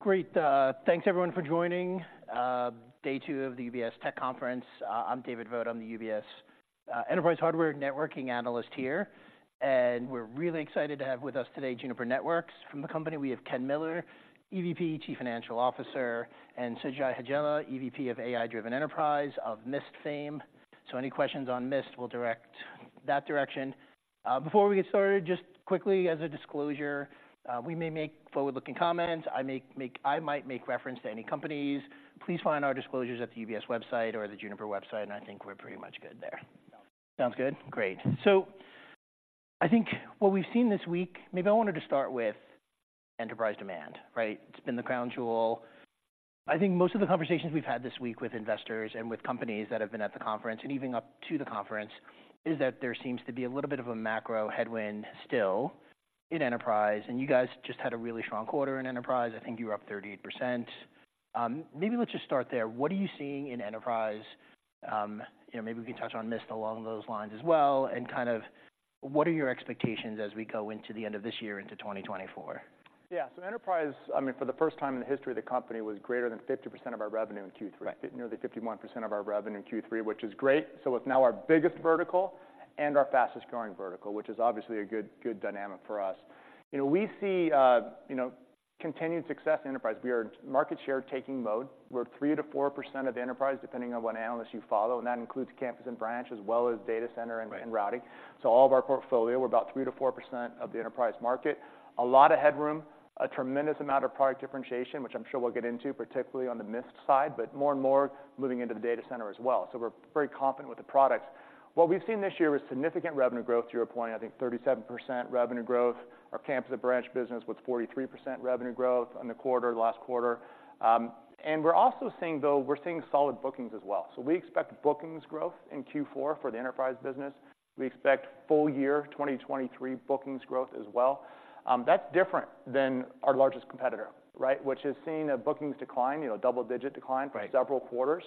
Great. Thanks everyone for joining, day two of the UBS Tech Conference. I'm David Vogt, I'm the UBS, Enterprise Hardware Networking Analyst here, and we're really excited to have with us today, Juniper Networks. From the company, we have Ken Miller, EVP and Chief Financial Officer, and Sujai Hajela, EVP of AI-Driven Enterprise of Mist fame. So any questions on Mist, we'll direct that direction. Before we get started, just quickly as a disclosure, we may make forward-looking comments. I might make reference to any companies. Please find our disclosures at the UBS website or the Juniper website, and I think we're pretty much good there. Sounds good? Great. So I think what we've seen this week, maybe I wanted to start with enterprise demand, right? It's been the crown jewel. I think most of the conversations we've had this week with investors and with companies that have been at the conference, and even up to the conference, is that there seems to be a little bit of a macro headwind still in enterprise, and you guys just had a really strong quarter in enterprise. I think you were up 38%. Maybe let's just start there. What are you seeing in enterprise? You know, maybe we can touch on Mist along those lines as well, and kind of what are your expectations as we go into the end of this year, into 2024? Yeah. So enterprise, I mean, for the first time in the history of the company, was greater than 50% of our revenue in Q3. Right. Nearly 51% of our revenue in Q3, which is great. So it's now our biggest vertical and our fastest growing vertical, which is obviously a good, good dynamic for us. You know, we see, you know, continued success in enterprise. We are in market share taking mode. We're 3%-4% of the enterprise, depending on what analyst you follow, and that includes campus and branch, as well as data center and- Right... routing. So all of our portfolio, we're about 3%-4% of the enterprise market. A lot of headroom, a tremendous amount of product differentiation, which I'm sure we'll get into, particularly on the Mist side, but more and more moving into the data center as well. So we're very confident with the products. What we've seen this year is significant revenue growth, to your point. I think 37% revenue growth. Our campus and branch business was 43% revenue growth on the quarter, last quarter. And we're also seeing, though, we're seeing solid bookings as well. So we expect bookings growth in Q4 for the enterprise business. We expect full year 2023 bookings growth as well. That's different than our largest competitor, right? Which has seen a bookings decline, you know, double-digit decline- Right... for several quarters.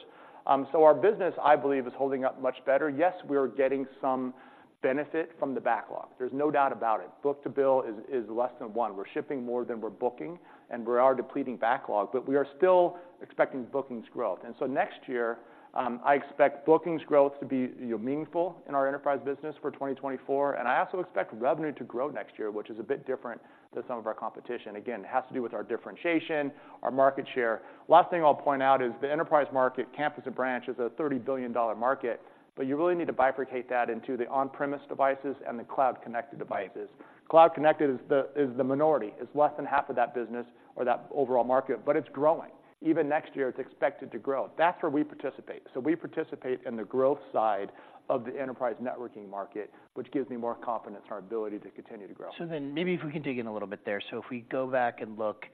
So our business, I believe, is holding up much better. Yes, we are getting some benefit from the backlog. There's no doubt about it. Book-to-bill is less than one. We're shipping more than we're booking, and we are depleting backlog, but we are still expecting bookings growth. And so next year, I expect bookings growth to be, you know, meaningful in our enterprise business for 2024, and I also expect revenue to grow next year, which is a bit different than some of our competition. Again, it has to do with our differentiation, our market share. Last thing I'll point out is the enterprise market, campus and branch, is a $30 billion market, but you really need to bifurcate that into the on-premise devices and the cloud-connected devices. Cloud connected is the minority. It's less than half of that business or that overall market, but it's growing. Even next year, it's expected to grow. That's where we participate. So we participate in the growth side of the enterprise networking market, which gives me more confidence in our ability to continue to grow. So then maybe if we can dig in a little bit there. So if we go back and look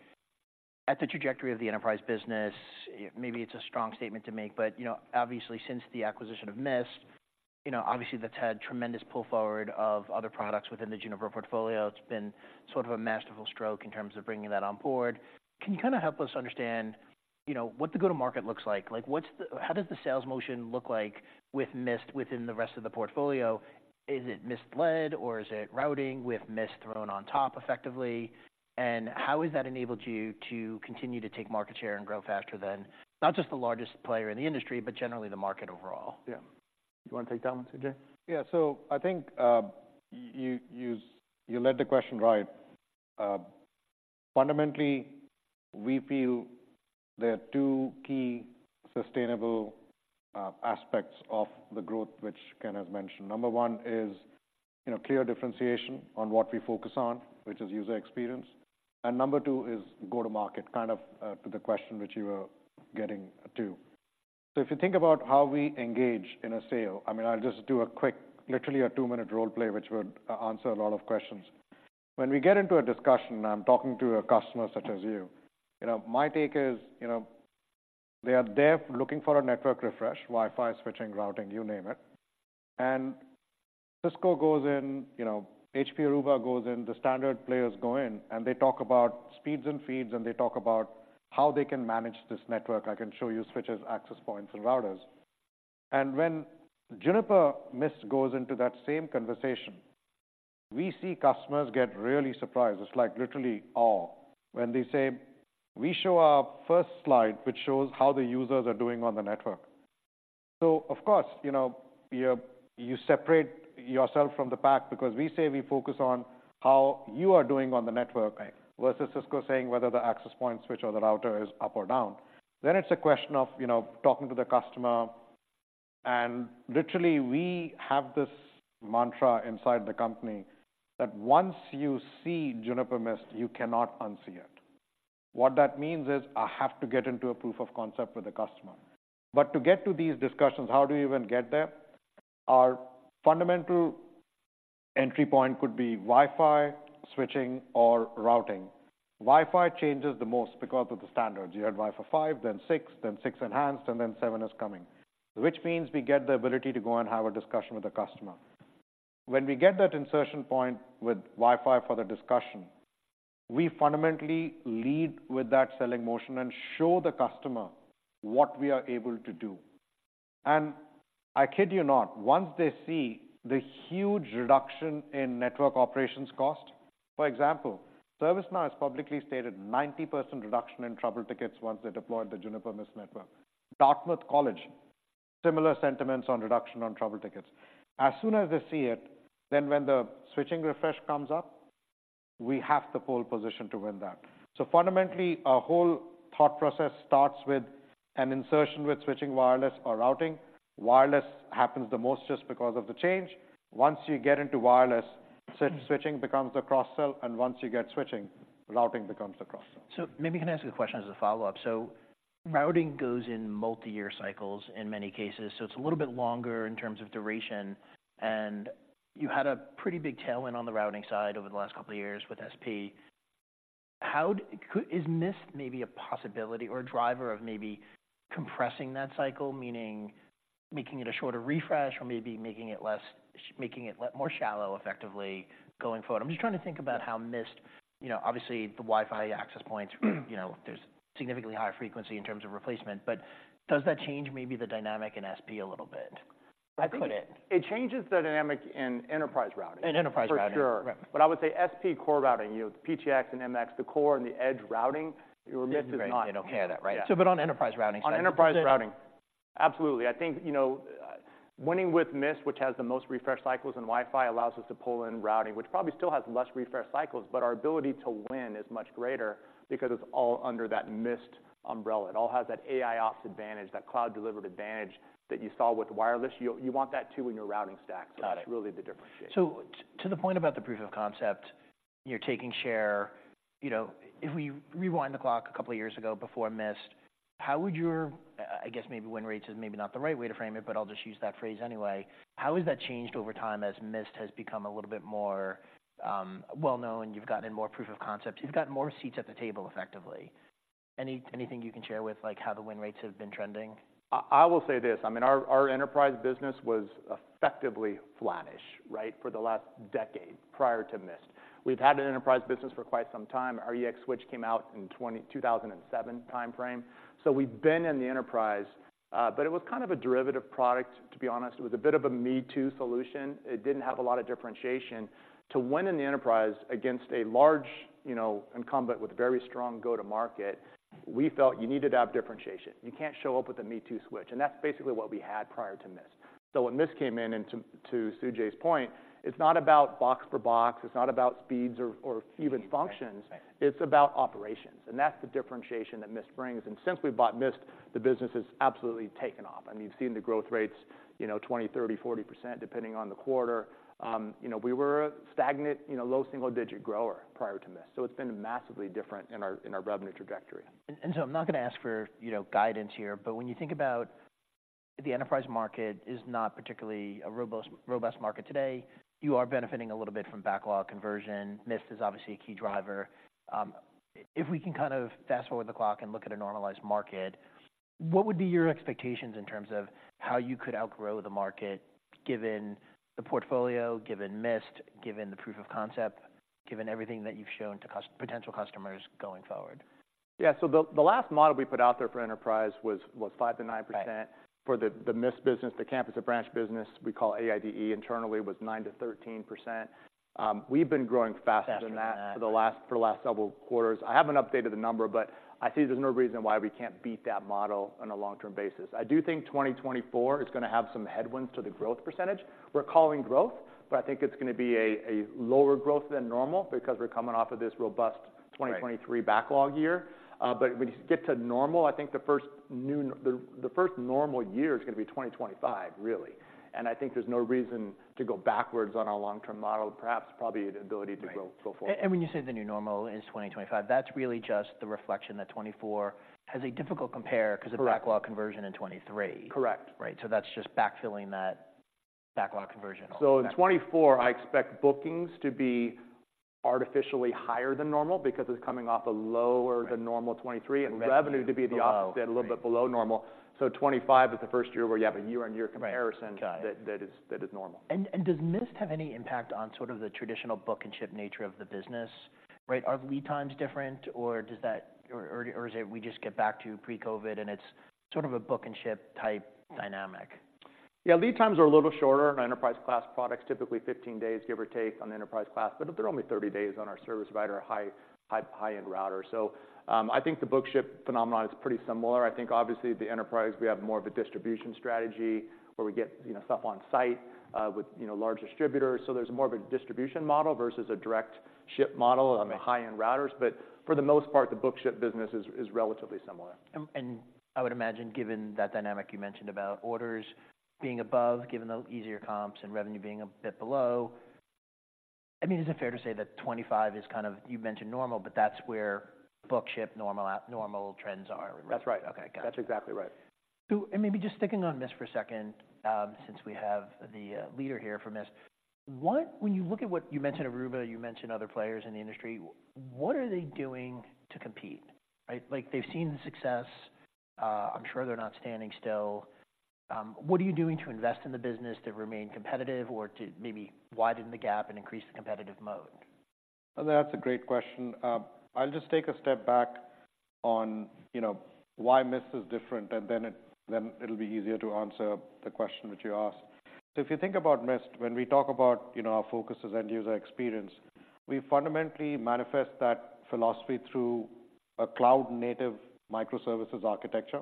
at the trajectory of the enterprise business, maybe it's a strong statement to make, but, you know, obviously, since the acquisition of Mist, you know, obviously, that's had tremendous pull forward of other products within the Juniper portfolio. It's been sort of a masterful stroke in terms of bringing that on board. Can you kinda help us understand, you know, what the go-to-market looks like? Like, what's the... How does the sales motion look like with Mist within the rest of the portfolio? Is it Mist led, or is it routing with Mist thrown on top effectively? And how has that enabled you to continue to take market share and grow faster than not just the largest player in the industry, but generally the market overall? Yeah. Do you want to take that one, Sujai? Yeah. So I think you led the question right. Fundamentally, we feel there are two key sustainable aspects of the growth, which Ken has mentioned. Number one is, you know, clear differentiation on what we focus on, which is user experience, and number two is go to market, kind of, to the question which you were getting to. So if you think about how we engage in a sale, I mean, I'll just do a quick, literally a two-minute role play, which would answer a lot of questions. When we get into a discussion, I'm talking to a customer such as you, you know, my take is, you know, they are there looking for a network refresh, Wi-Fi, switching, routing, you name it. Cisco goes in, you know, HPE Aruba goes in, the standard players go in, and they talk about speeds and feeds, and they talk about how they can manage this network. "I can show you switches, access points, and routers." When Juniper Mist goes into that same conversation, we see customers get really surprised. It's like, literally, awe. When they say... We show our first slide, which shows how the users are doing on the network. Of course, you know, you, you separate yourself from the pack because we say we focus on how you are doing on the network- Right... versus Cisco saying whether the access point, switch, or the router is up or down. Then it's a question of, you know, talking to the customer, and literally, we have this mantra inside the company that once you see Juniper Mist, you cannot unsee it. What that means is, I have to get into a proof of concept with the customer. But to get to these discussions, how do you even get there? Our fundamental entry point could be Wi-Fi, switching, or routing. Wi-Fi changes the most because of the standards. You had Wi-Fi 5, then Wi-Fi 6, then Wi-Fi 6E, and then Wi-Fi 7 is coming, which means we get the ability to go and have a discussion with the customer. When we get that insertion point with Wi-Fi for the discussion, we fundamentally lead with that selling motion and show the customer what we are able to do. And I kid you not, once they see the huge reduction in network operations cost, for example, ServiceNow has publicly stated 90% reduction in trouble tickets once they deployed the Juniper Mist network. Dartmouth College, similar sentiments on reduction on trouble tickets. As soon as they see it, then when the switching refresh comes up, we have the pole position to win that. So fundamentally, our whole thought process starts with an insertion with switching wireless or routing. Wireless happens the most just because of the change. Once you get into wireless, switching becomes the cross sell, and once you get switching, routing becomes the cross sell. So maybe I can ask you a question as a follow-up. So routing goes in multi-year cycles in many cases, so it's a little bit longer in terms of duration, and you had a pretty big tailwind on the routing side over the last couple of years with SP. How is Mist maybe a possibility or a driver of maybe compressing that cycle, meaning making it a shorter refresh or maybe making it less, more shallow, effectively, going forward? I'm just trying to think about how Mist, you know, obviously, the Wi-Fi access points, you know, there's significantly higher frequency in terms of replacement, but does that change maybe the dynamic in SP a little bit? Could it? I think it changes the dynamic in enterprise routing- In enterprise routing... for sure. Right. But I would say SP core routing, you know, the PTX and MX, the core and the edge routing, Mist is not- You don't hear that, right? But on enterprise routing- On enterprise routing, absolutely. I think, you know, winning with Mist, which has the most refresh cycles, and Wi-Fi allows us to pull in routing, which probably still has less refresh cycles, but our ability to win is much greater because it's all under that Mist umbrella. It all has that AIOps advantage, that cloud-delivered advantage that you saw with wireless. You want that, too, in your routing stack. Got it. That's really the differentiator. So to the point about the proof of concept, you're taking share. You know, if we rewind the clock a couple of years ago before Mist, how would your, I guess, maybe win rate is maybe not the right way to frame it, but I'll just use that phrase anyway: how has that changed over time as Mist has become a little bit more well-known, you've gotten more proof of concept, you've gotten more seats at the table effectively? Anything you can share with, like, how the win rates have been trending? I will say this, I mean, our enterprise business was effectively flattish, right, for the last decade prior to Mist. We've had an enterprise business for quite some time. Our EX Switch came out in 2007 timeframe, so we've been in the enterprise, but it was kind of a derivative product, to be honest. It was a bit of a me-too solution. It didn't have a lot of differentiation. To win in the enterprise against a large, you know, incumbent with very strong go-to-market, we felt you needed to have differentiation. You can't show up with a me-too switch, and that's basically what we had prior to Mist. So when Mist came in, and to Sujai's point, it's not about box per box, it's not about speeds or even functions- Right... it's about operations, and that's the differentiation that Mist brings. And since we bought Mist, the business has absolutely taken off. I mean, you've seen the growth rates, you know, 20%, 30%, 40%, depending on the quarter. You know, we were a stagnant, you know, low single-digit grower prior to Mist, so it's been massively different in our, in our revenue trajectory. So I'm not going to ask for, you know, guidance here, but when you think about the enterprise market, it is not particularly a robust, robust market today, you are benefiting a little bit from backlog conversion. Mist is obviously a key driver. If we can kind of fast-forward the clock and look at a normalized market, what would be your expectations in terms of how you could outgrow the market, given the portfolio, given Mist, given the proof of concept, given everything that you've shown to potential customers going forward? Yeah, so the last model we put out there for enterprise was 5%-9%. Right. For the Mist business, the campus to branch business, we call AIDE internally, was 9%-13%. We've been growing faster- Faster than that.... than that for the last several quarters. I haven't updated the number, but I see there's no reason why we can't beat that model on a long-term basis. I do think 2024 is going to have some headwinds to the growth percentage. We're calling growth, but I think it's going to be a, a lower growth than normal because we're coming off of this robust- Right... 2023 backlog year. But when you get to normal, I think the first normal year is going to be 2025, really. And I think there's no reason to go backwards on our long-term model, perhaps probably the ability to grow going forward. Right. And, and when you say the new normal is 2025, that's really just the reflection that 2024 has a difficult compare- Correct... because of backlog conversion in 2023. Correct. Right. So that's just backfilling that backlog conversion. In 2024, I expect bookings to be artificially higher than normal because it's coming off a lower- Right... than normal 23, and revenue to be the opposite, a little bit below normal. So 25 is the first year where you have a year-on-year comparison- Right. Got it.... that is normal. Does Mist have any impact on sort of the traditional book and ship nature of the business? Right, are the lead times different, or does that... Or is it we just get back to pre-COVID, and it's sort of a book and ship type dynamic? Yeah, lead times are a little shorter on enterprise-class products, typically 15 days, give or take, on the enterprise class, but they're only 30 days on our service provider, a high, high, high-end router. So, I think the book-to-ship phenomenon is pretty similar. I think obviously, the enterprise, we have more of a distribution strategy where we get, you know, stuff on site, with, you know, large distributors. So there's more of a distribution model versus a direct ship model- Right... on the high-end routers. But for the most part, the book-to-bill business is relatively similar. and I would imagine, given that dynamic you mentioned about orders being above, given the easier comps and revenue being a bit below, I mean, is it fair to say that 2025 is kind of... You mentioned normal, but that's where book ship normal trends are? That's right. Okay, got it. That's exactly right. So, and maybe just sticking on Mist for a second, since we have the leader here for Mist, when you look at what, you mentioned Aruba, you mentioned other players in the industry, what are they doing to compete? Right, like, they've seen the success. I'm sure they're not standing still. What are you doing to invest in the business to remain competitive or to maybe widen the gap and increase the competitive mode?... That's a great question. I'll just take a step back on, you know, why Mist is different, and then it, then it'll be easier to answer the question that you asked. So if you think about Mist, when we talk about, you know, our focus as end user experience, we fundamentally manifest that philosophy through a cloud native microservices architecture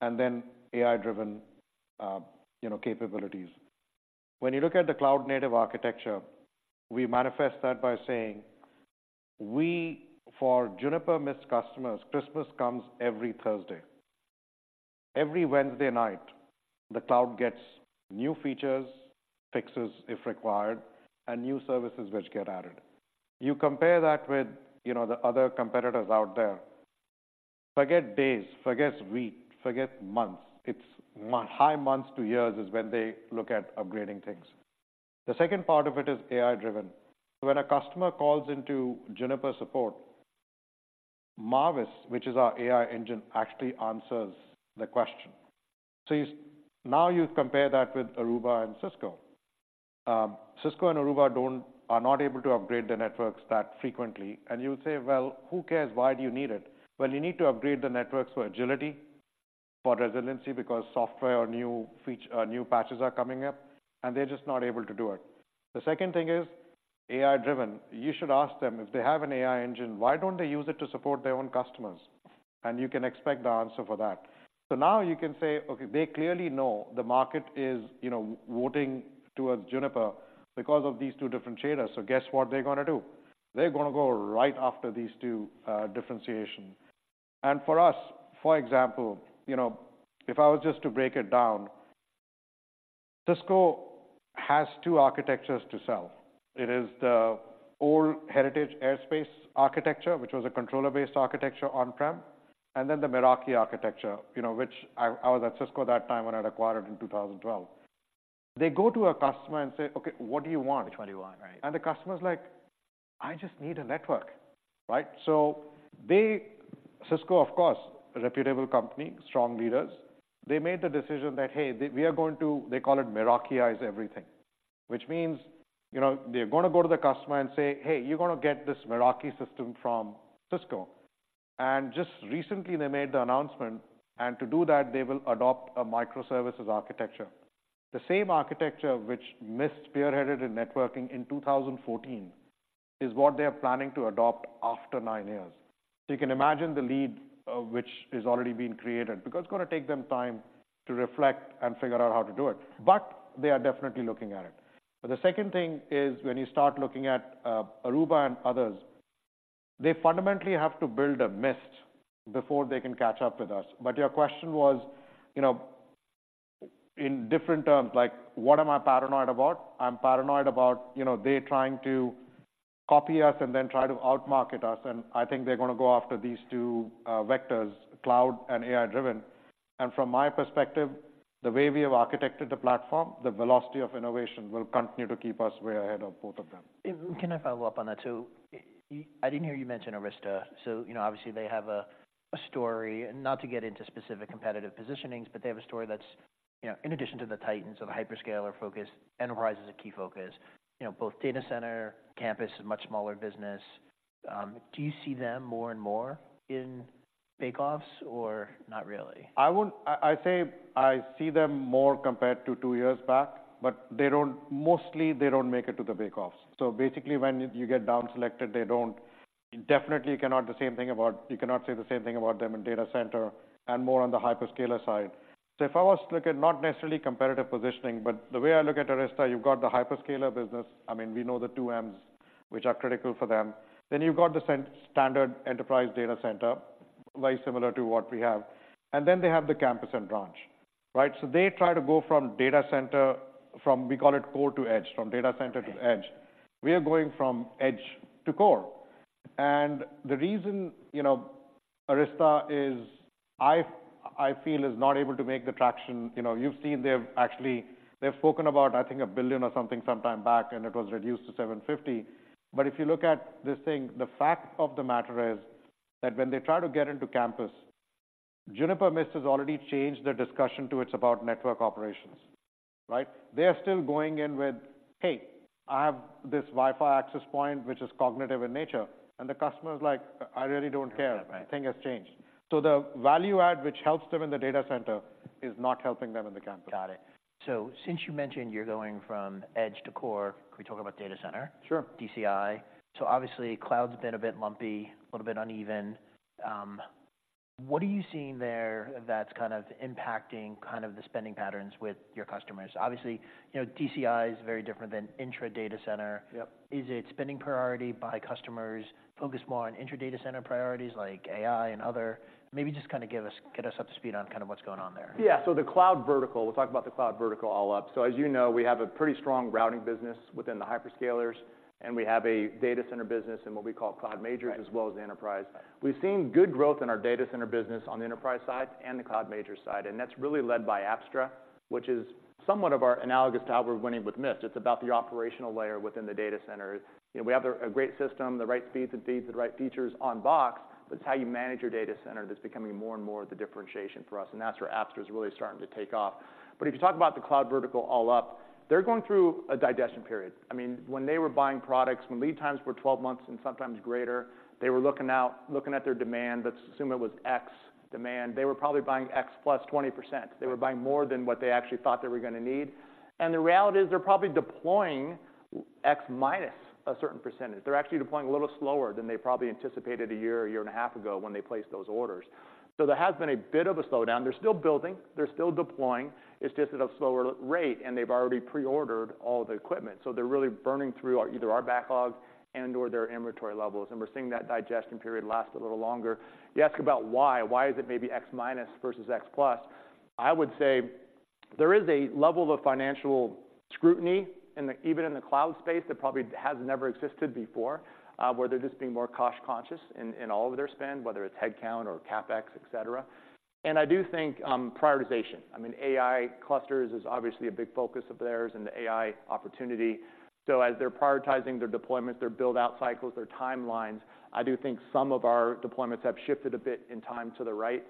and then AI-driven, you know, capabilities. When you look at the cloud native architecture, we manifest that by saying, we, for Juniper Mist customers, Christmas comes every Thursday. Every Wednesday night, the cloud gets new features, fixes if required, and new services which get added. You compare that with, you know, the other competitors out there, forget days, forget weeks, forget months, it's months to years is when they look at upgrading things. The second part of it is AI-driven. When a customer calls into Juniper support, Marvis, which is our AI engine, actually answers the question. So now you compare that with Aruba and Cisco. Cisco and Aruba are not able to upgrade their networks that frequently, and you would say, "Well, who cares? Why do you need it?" Well, you need to upgrade the networks for agility, for resiliency, because software or new feature, or new patches are coming up, and they're just not able to do it. The second thing is AI-driven. You should ask them, if they have an AI engine, why don't they use it to support their own customers? And you can expect the answer for that. So now you can say, "Okay, they clearly know the market is, you know, voting towards Juniper because of these two differentiators." So guess what they're gonna do? They're gonna go right after these two differentiation. And for us, for example, you know, if I was just to break it down, Cisco has two architectures to sell. It is the old heritage Airespace architecture, which was a controller-based architecture on-prem, and then the Meraki architecture, you know, which I, I was at Cisco at that time when it acquired it in 2012. They go to a customer and say, "Okay, what do you want? Which one do you want? Right. And the customer's like: "I just need a network," right? So they... Cisco, of course, a reputable company, strong leaders, they made the decision that, hey, we are going to-- they call it Meraki is everything. Which means, you know, they're gonna go to the customer and say, "Hey, you're gonna get this Meraki system from Cisco." And just recently they made the announcement, and to do that, they will adopt a microservices architecture. The same architecture which Mist spearheaded in networking in 2014, is what they are planning to adopt after nine years. So you can imagine the lead, which has already been created, because it's gonna take them time to reflect and figure out how to do it. But they are definitely looking at it. The second thing is when you start looking at, Aruba and others, they fundamentally have to build a Mist before they can catch up with us. But your question was, you know, in different terms, like, what am I paranoid about? I'm paranoid about, you know, they trying to copy us and then try to outmarket us, and I think they're gonna go after these two, vectors, cloud and AI-driven. And from my perspective, the way we have architected the platform, the velocity of innovation will continue to keep us way ahead of both of them. Can I follow up on that, too? I didn't hear you mention Arista, so you know, obviously they have a, a story, and not to get into specific competitive positionings, but they have a story that's, you know, in addition to the titans of hyperscaler focus, enterprise is a key focus. You know, both data center, campus, and much smaller business. Do you see them more and more in bake-offs or not really? I say I see them more compared to two years back, but mostly, they don't make it to the bake-offs. So basically, when you get down selected, they don't. Definitely cannot the same thing about you cannot say the same thing about them in data center and more on the hyperscaler side. So if I was to look at not necessarily competitive positioning, but the way I look at Arista, you've got the hyperscaler business. I mean, we know the two M's, which are critical for them. Then you've got the standard enterprise data center, very similar to what we have. And then they have the campus and branch, right? So they try to go from data center, we call it core to edge, from data center to the edge. We are going from edge to core. And the reason, you know, Arista is I, I feel, is not able to make the traction, you know, you've seen they've actually— they've spoken about, I think, $1 billion or something sometime back, and it was reduced to $750 million. But if you look at this thing, the fact of the matter is that when they try to get into campus, Juniper Mist has already changed their discussion to it's about network operations, right? They are still going in with, "Hey, I have this Wi-Fi access point, which is cognitive in nature," and the customer is like: "I really don't care. Right. The thing has changed. So the value add, which helps them in the data center, is not helping them in the campus. Got it. Since you mentioned you're going from edge to core, can we talk about data center? Sure. DCI. So obviously, cloud's been a bit lumpy, a little bit uneven. What are you seeing there that's kind of impacting kind of the spending patterns with your customers? Obviously, you know, DCI is very different than intra data center. Yep. Is it spending priority by customers, focus more on intra data center priorities like AI and other? Maybe just kind of get us up to speed on kind of what's going on there. Yeah. So the cloud vertical, we'll talk about the cloud vertical all up. So as you know, we have a pretty strong routing business within the hyperscalers, and we have a data center business in what we call cloud majors- Right... as well as the enterprise. We've seen good growth in our data center business on the enterprise side and the cloud major side, and that's really led by Apstra, which is somewhat of our analogous to how we're winning with Mist. It's about the operational layer within the data center. You know, we have a great system, the right speeds and feeds, the right features on box, but it's how you manage your data center that's becoming more and more the differentiation for us, and that's where Apstra is really starting to take off. But if you talk about the cloud vertical all up-... they're going through a digestion period. I mean, when they were buying products, when lead times were 12 months and sometimes greater, they were looking out, looking at their demand, let's assume it was X demand, they were probably buying X plus 20%. They were buying more than what they actually thought they were gonna need. The reality is, they're probably deploying X minus a certain percentage. They're actually deploying a little slower than they probably anticipated a year, a year and a half ago when they placed those orders. There has been a bit of a slowdown. They're still building, they're still deploying, it's just at a slower rate, and they've already pre-ordered all the equipment. So they're really burning through either our backlog and/or their inventory levels, and we're seeing that digestion period last a little longer. You ask about why, why is it maybe X minus versus X plus? I would say there is a level of financial scrutiny in the, even in the cloud space, that probably has never existed before, where they're just being more cost conscious in, in all of their spend, whether it's headcount or CapEx, et cetera. And I do think, prioritization. I mean, AI clusters is obviously a big focus of theirs and the AI opportunity. So as they're prioritizing their deployments, their build-out cycles, their timelines, I do think some of our deployments have shifted a bit in time to the right.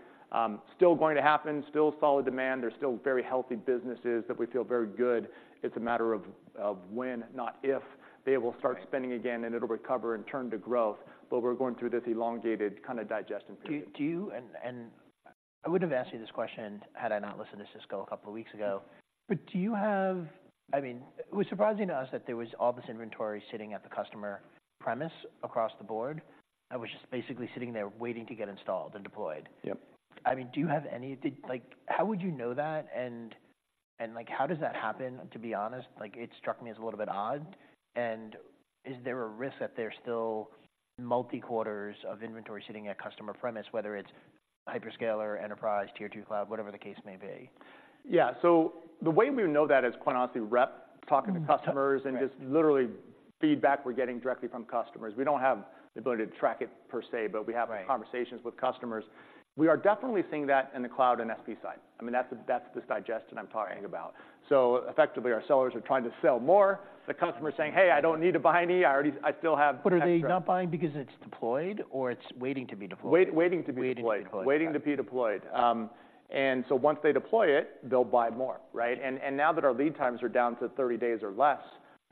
Still going to happen, still solid demand. They're still very healthy businesses that we feel very good. It's a matter of, of when, not if, they will start spending again, and it'll recover and turn to growth, but we're going through this elongated kind of digestion period. Do you... And I wouldn't have asked you this question had I not listened to Cisco a couple of weeks ago. But do you have—I mean, it was surprising to us that there was all this inventory sitting at the customer premise across the board, and was just basically sitting there waiting to get installed and deployed. Yep. I mean, do you have any, like, how would you know that? And, and, like, how does that happen, to be honest? Like, it struck me as a little bit odd. And is there a risk that there's still multiple quarters of inventory sitting at customer premises, whether it's hyperscaler, enterprise, tier two cloud, whatever the case may be? Yeah, so the way we know that is, quite honestly, rep, talking to customers- Mm-hmm. and just literally feedback we're getting directly from customers. We don't have the ability to track it per se. Right... but we have conversations with customers. We are definitely seeing that in the cloud and SP side. I mean, that's this digestion I'm talking about. So effectively, our sellers are trying to sell more. The customer is saying, "Hey, I don't need to buy any. I already, I still have extra. But are they not buying because it's deployed or it's waiting to be deployed? Waiting to be deployed. Waiting to be deployed. Got it. Waiting to be deployed. And so once they deploy it, they'll buy more, right? And now that our lead times are down to 30 days or less,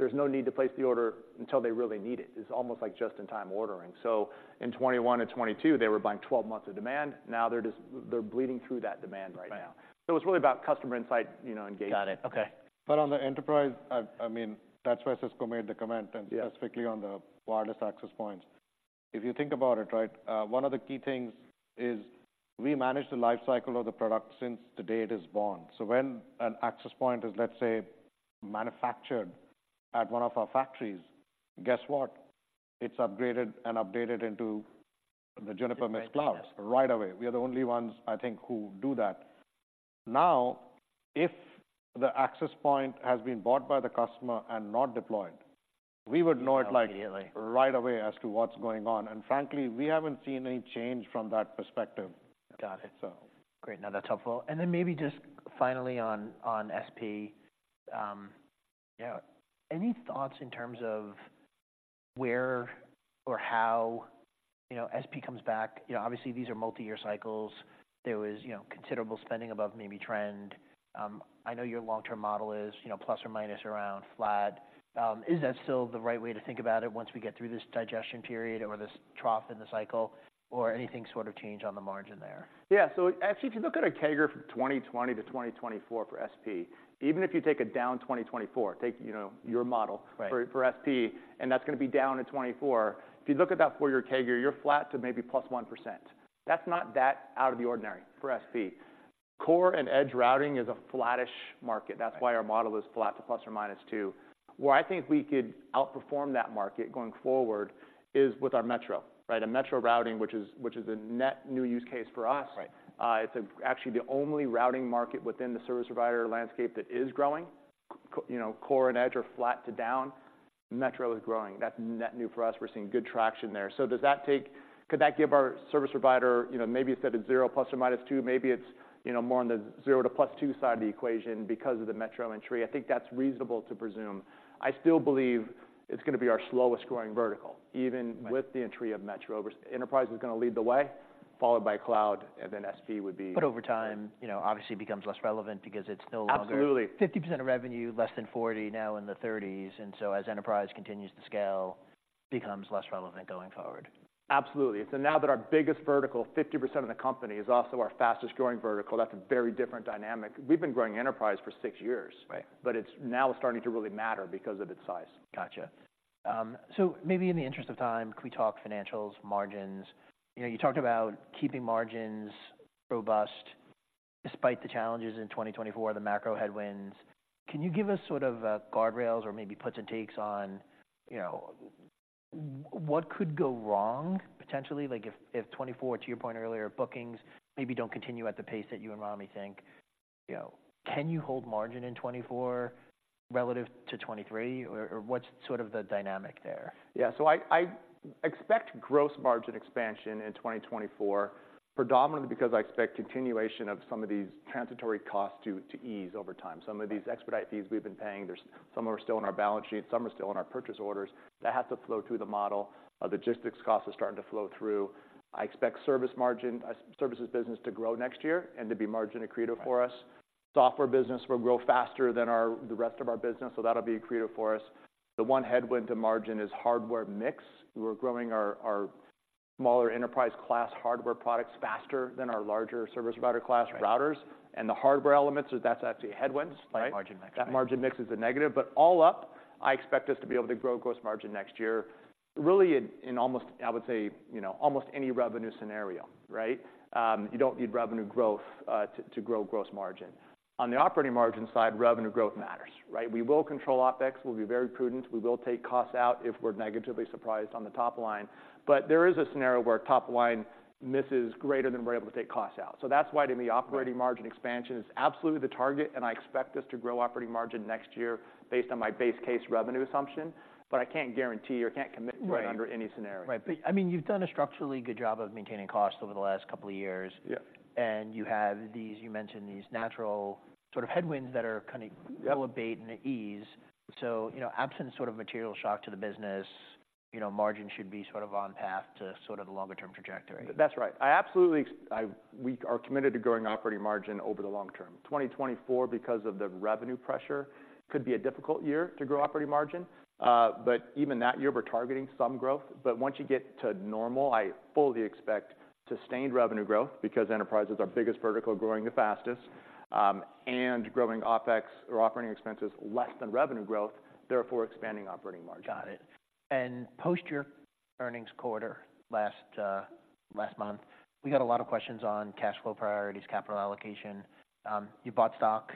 there's no need to place the order until they really need it. It's almost like just-in-time ordering. So in 2021 and 2022, they were buying 12 months of demand. Now they're bleeding through that demand right now. Right. So it's really about customer insight, you know, engagement. Got it. Okay. But on the enterprise, I mean, that's why Cisco made the comment- Yeah... and specifically on the wireless access points. If you think about it, right, one of the key things is we manage the life cycle of the product since the day it is born. So when an access point is, let's say, manufactured at one of our factories, guess what? It's upgraded and updated into the Juniper Mist cloud right away. We are the only ones, I think, who do that. Now, if the access point has been bought by the customer and not deployed, we would know it, like- Immediately... right away as to what's going on. Frankly, we haven't seen any change from that perspective. Got it. So. Great. No, that's helpful. And then maybe just finally on, on SP, any thoughts in terms of where or how, you know, SP comes back? You know, obviously, these are multi-year cycles. There was, you know, considerable spending above maybe trend. I know your long-term model is, you know, plus or minus around flat. Is that still the right way to think about it once we get through this digestion period or this trough in the cycle, or anything sort of change on the margin there? Yeah. So actually, if you look at a CAGR from 2020 to 2024 for SP, even if you take a down 2024, take, you know, your model- Right... for SP, and that's gonna be down to 24. If you look at that four-year CAGR, you're flat to maybe +1%. That's not that out of the ordinary for SP. Core and edge routing is a flattish market. Right. That's why our model is flat to ±2. Where I think we could outperform that market going forward is with our metro, right? A metro routing, which is a net new use case for us. Right. It's actually the only routing market within the service provider landscape that is growing. You know, core and edge are flat to down. Metro is growing. That's net new for us. We're seeing good traction there. So does that take- could that give our service provider, you know, maybe instead of 0 ± 2, maybe it's, you know, more on the 0 to +2 side of the equation because of the metro entry? I think that's reasonable to presume. I still believe it's gonna be our slowest growing vertical, even- Right... with the entry of metro. Enterprise is gonna lead the way, followed by cloud, and then SP would be- But over time, you know, obviously becomes less relevant because it's no longer- Absolutely. 50% of revenue, less than 40%, now in the 30s, and so as enterprise continues to scale, becomes less relevant going forward. Absolutely. So now that our biggest vertical, 50% of the company, is also our fastest growing vertical, that's a very different dynamic. We've been growing enterprise for six years. Right. But it's now starting to really matter because of its size. Gotcha. So maybe in the interest of time, can we talk financials, margins? You know, you talked about keeping margins robust despite the challenges in 2024, the macro headwinds. Can you give us sort of guardrails or maybe puts and takes on, you know, what could go wrong potentially, like, if, if 2024, to your point earlier, bookings maybe don't continue at the pace that you and Rami think? You know, can you hold margin in 2024 relative to 2023, or, or what's sort of the dynamic there? Yeah, so I expect gross margin expansion in 2024, predominantly because I expect continuation of some of these transitory costs to ease over time. Right. Some of these expedite fees we've been paying, some are still on our balance sheet, some are still on our purchase orders. That has to flow through the model. Our logistics costs are starting to flow through. I expect service margin, services business to grow next year and to be margin accretive for us. Software business will grow faster than our, the rest of our business, so that'll be accretive for us. The one headwind to margin is hardware mix. We're growing our, our smaller enterprise class hardware products faster than our larger service provider class routers. Right. The hardware elements is. That's actually a headwinds, right? Like margin mix. That margin mix is a negative, but all up, I expect us to be able to grow gross margin next year, really, in almost, I would say, you know, almost any revenue scenario, right? You don't need revenue growth to grow gross margin. On the operating margin side, revenue growth matters, right? We will control OpEx. We'll be very prudent. We will take costs out if we're negatively surprised on the top line. But there is a scenario where top line misses greater than we're able to take costs out. So that's why to me- Right... operating margin expansion is absolutely the target, and I expect us to grow operating margin next year based on my base case revenue assumption. But I can't guarantee or can't commit- Right -under any scenario. Right. But, I mean, you've done a structurally good job of maintaining costs over the last couple of years. Yeah. And you have these... You mentioned these natural sort of headwinds that are kinda- Yep Abate and at ease. So, you know, absent sort of material shock to the business, you know, margins should be sort of on path to sort of the longer term trajectory. That's right. I absolutely. We are committed to growing operating margin over the long term. 2024, because of the revenue pressure, could be a difficult year to grow operating margin, but even that year, we're targeting some growth. But once you get to normal, I fully expect sustained revenue growth because enterprise is our biggest vertical, growing the fastest, and growing OpEx or operating expenses less than revenue growth, therefore expanding operating margin. Got it. And post your earnings quarter last month, we got a lot of questions on cash flow priorities, capital allocation. You bought stock,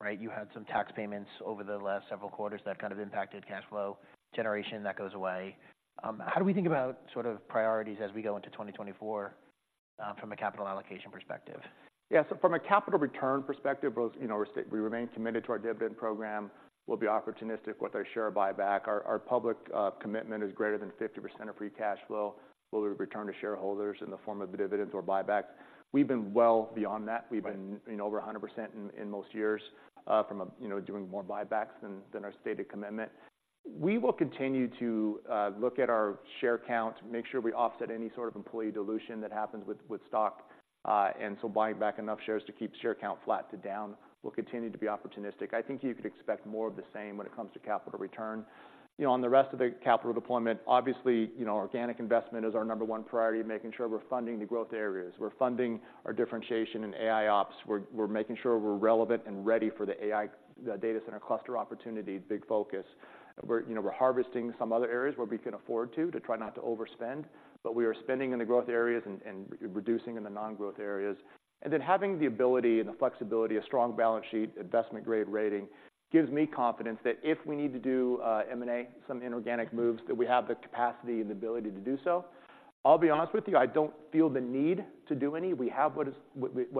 right? You had some tax payments over the last several quarters that kind of impacted cash flow generation. That goes away. How do we think about sort of priorities as we go into 2024, from a capital allocation perspective? Yeah. So from a capital return perspective, both, you know, we remain committed to our dividend program. We'll be opportunistic with our share buyback. Our public commitment is greater than 50% of free cash flow will return to shareholders in the form of dividends or buybacks. We've been well beyond that. Right. We've been, you know, over 100% in most years, from, you know, doing more buybacks than our stated commitment. We will continue to look at our share count, make sure we offset any sort of employee dilution that happens with stock, and so buying back enough shares to keep share count flat to down. We'll continue to be opportunistic. I think you could expect more of the same when it comes to capital return. You know, on the rest of the capital deployment, obviously, you know, organic investment is our number one priority, making sure we're funding the growth areas, we're funding our differentiation in AIOps, we're making sure we're relevant and ready for the AI data center cluster opportunity, big focus. We're, you know, we're harvesting some other areas where we can afford to, to try not to overspend, but we are spending in the growth areas and, and reducing in the non-growth areas. And then having the ability and the flexibility, a strong balance sheet, investment-grade rating, gives me confidence that if we need to do M&A, some inorganic moves, that we have the capacity and the ability to do so. I'll be honest with you, I don't feel the need to do any. We have what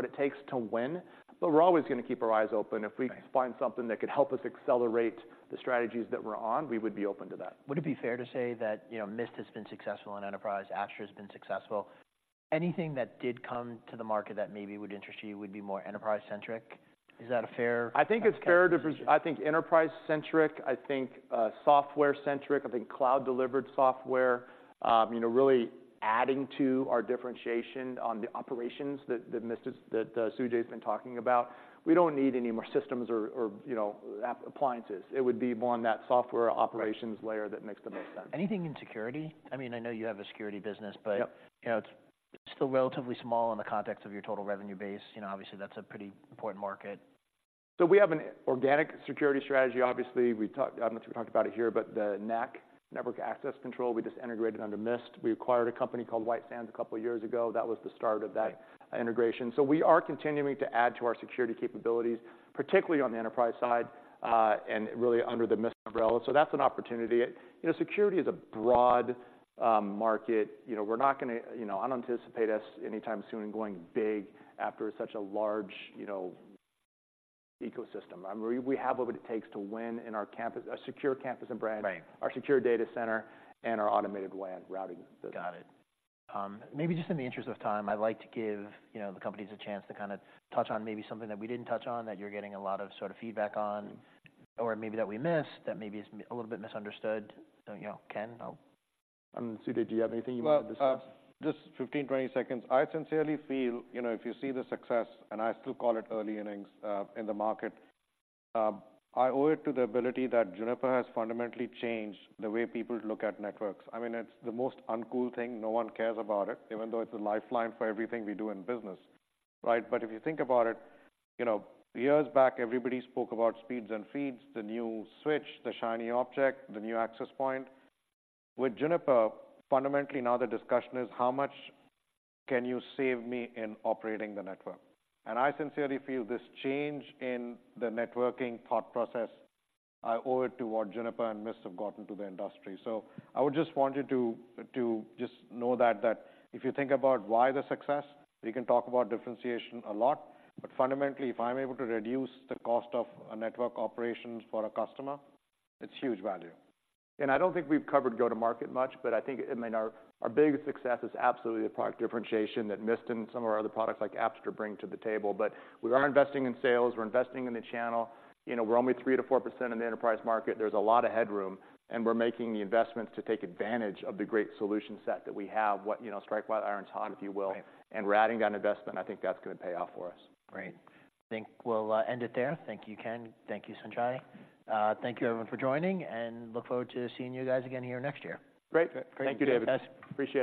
it takes to win, but we're always gonna keep our eyes open. Right. If we find something that could help us accelerate the strategies that we're on, we would be open to that. Would it be fair to say that, you know, Mist has been successful in enterprise, Apstra has been successful? Anything that did come to the market that maybe would interest you would be more enterprise-centric? Is that a fair- I think enterprise-centric, I think software-centric, I think cloud-delivered software, you know, really adding to our differentiation on the operations that Mist, that Sujai's been talking about. We don't need any more systems or you know, app appliances. It would be more on that software operations- Right -layer that makes the most sense. Anything in security? I mean, I know you have a security business, but- Yep... you know, it's still relatively small in the context of your total revenue base. You know, obviously, that's a pretty important market. So we have an organic security strategy. Obviously, we talked... I don't know if we talked about it here, but the NAC, network access control, we just integrated under Mist. We acquired a company called WiteSand a couple of years ago. That was the start of that- Right Integration. So we are continuing to add to our security capabilities, particularly on the enterprise side, and really under the Mist umbrella. So that's an opportunity. You know, security is a broad market. You know, we're not gonna... You know, I don't anticipate us anytime soon going big after such a large, you know, ecosystem. I mean, we, we have what it takes to win in our campus, a secure campus and branch Right... our secure data center, and our automated WAN routing business. Got it. Maybe just in the interest of time, I'd like to give, you know, the companies a chance to kind of touch on maybe something that we didn't touch on, that you're getting a lot of sort of feedback on, or maybe that we missed, that maybe is a little bit misunderstood. So, you know, Ken, oh. Sujai, do you have anything you want to discuss? Well, just 15, 20 seconds. I sincerely feel, you know, if you see the success, and I still call it early innings, in the market, I owe it to the ability that Juniper has fundamentally changed the way people look at networks. I mean, it's the most uncool thing. No one cares about it, even though it's a lifeline for everything we do in business, right? But if you think about it, you know, years back, everybody spoke about speeds and feeds, the new switch, the shiny object, the new access point. With Juniper, fundamentally, now the discussion is: How much can you save me in operating the network? And I sincerely feel this change in the networking thought process, I owe it to what Juniper and Mist have gotten to the industry. So I would just want you to know that if you think about why the success, we can talk about differentiation a lot, but fundamentally, if I'm able to reduce the cost of a network operations for a customer, it's huge value. I don't think we've covered go-to-market much, but I think, I mean, our, our biggest success is absolutely the product differentiation that Mist and some of our other products like Apstra bring to the table. But we are investing in sales, we're investing in the channel. You know, we're only 3%-4% in the enterprise market. There's a lot of headroom, and we're making the investments to take advantage of the great solution set that we have, what, you know, strike while the iron is hot, if you will. Right. We're adding that investment. I think that's gonna pay off for us. Great. I think we'll end it there. Thank you, Ken. Thank you, Sujai. Thank you everyone for joining, and look forward to seeing you guys again here next year. Great. Great. Thank you, David. Appreciate it.